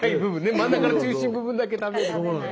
真ん中の中心部分だけ食べるのね。